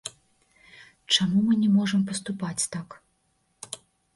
Чаму мы не можам паступаць так?